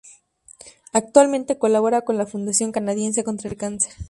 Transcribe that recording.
Actualmente colabora con la fundación canadiense contra el cáncer.